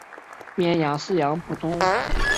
绵羊饲养普通。